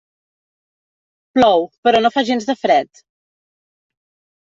Plou, però no fa gens de fred.